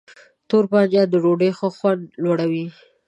تور بانجان د ډوډۍ ښه خوند لوړوي.